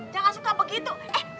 jangan suka begitu